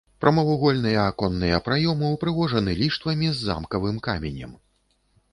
Прамавугольныя аконныя праёмы упрыгожаны ліштвамі з замкавым каменем.